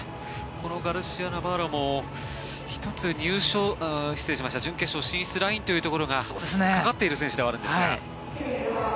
このガルシア・ナバロも１つ準決勝進出ラインというところがかかっている選手ではあるんですが。